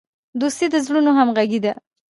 دوستي د زړونو همغږي ده.